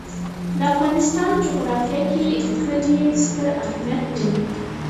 د افغانستان جغرافیه کې کلي ستر اهمیت لري.